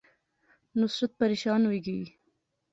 نصرت پریشان ہوئی گئی